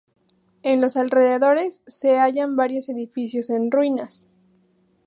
En los alrededores se hallan varios edificios en ruinas.